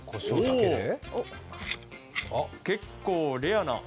結構レアな。